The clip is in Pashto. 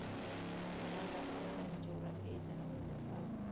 انار د افغانستان د جغرافیوي تنوع مثال دی.